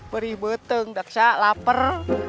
perih beteng daksa lapar